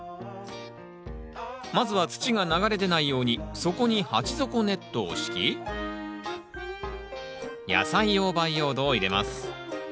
まずは土が流れ出ないように底に鉢底ネットを敷き野菜用培養土を入れます